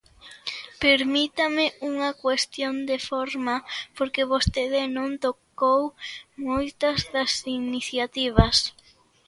Permítame unha cuestión de forma, porque vostede non tocou moitas das iniciativas.